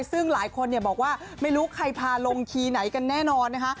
ซึ่งหลายคนบอกว่าไม่รู้ใครพาลงคีย์ไหนกันแน่นอนนะคะ